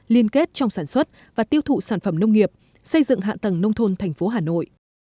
liên kết trong sản xuất và tiêu thụ sản phẩm nông nghiệp xây dựng hạ tầng nông thôn thành phố hà nội